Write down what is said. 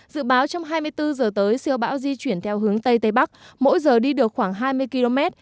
dự báo trong hai mươi bốn giờ tới siêu bão di chuyển theo hướng tây tây bắc mỗi giờ đi được khoảng hai mươi km